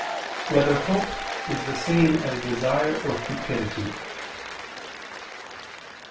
1] Whether Hope Is the Same As Desire or Cupidity?